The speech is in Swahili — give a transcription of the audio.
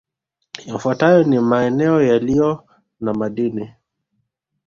Yafuatayo ni maeneo yaliyo na madini